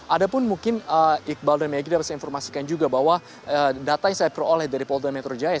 ada pun mungkin iqbal dan megi dapat saya informasikan juga bahwa data yang saya peroleh dari polda metro jaya